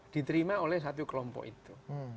diterima oleh satu kelompok itu